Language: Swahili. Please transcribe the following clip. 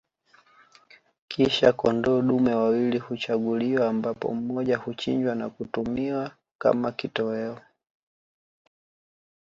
Kisha kondoo dume wawili huchaguliwa ambapo mmoja huchinjwa na kutumiwa kama kitoweo